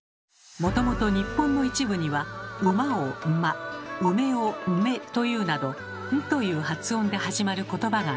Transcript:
もともと日本の一部には「うま」を「んま」「うめ」を「んめ」と言うなど「ん」という発音で始まることばがありました。